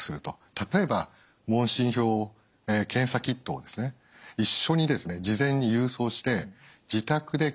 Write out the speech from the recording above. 例えば問診票検査キットを一緒に事前に郵送して自宅で記入すると。